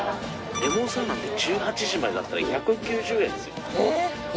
レモンサワーなんて１８時までだったら１９０円ですよ。